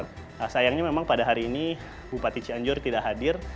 nah sayangnya memang pada hari ini bupati cianjur tidak hadir